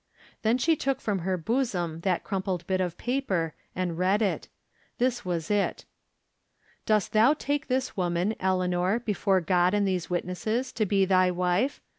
Then she took from her bosom that crumpled bit of paper and read it. This was it :" Dost thou take this woman, Eleanor, before God and these witnesses, to be thy wife